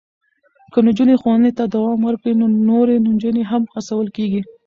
که نجونې ښوونې ته دوام ورکړي، نو نورې نجونې هم هڅول کېږي.